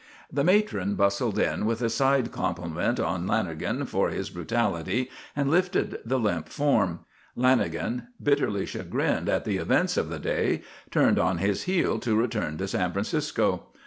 The matron bustled in with a side compliment on Lanagan for his brutality, and lifted the limp form. Lanagan, bitterly chagrined at the events of the day, turned on his heel to return to San Francisco.